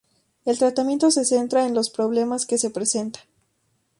El tratamiento se centra en los problemas que se presentan.